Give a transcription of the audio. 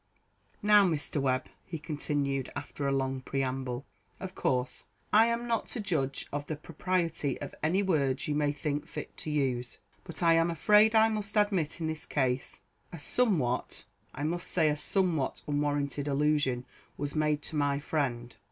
"Now, Mr. Webb," he continued after a long preamble, "of course I am not to judge of the propriety of any words you may think fit to use; but, I am afraid I must admit in this case, a somewhat I must say a somewhat unwarranted allusion was made to my friend.